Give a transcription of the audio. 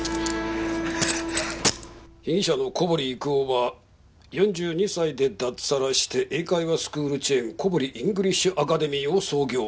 被疑者の小堀育男は４２歳で脱サラして英会話スクールチェーン小堀イングリッシュ・アカデミーを創業。